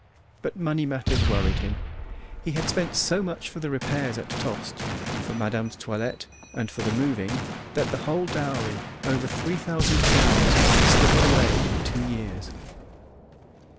But money matters worried him. He had spent so much for repairs at Tostes, for madame's toilette, and for the moving, that the whole dowry, over three thousand crowns, had slipped away in two years.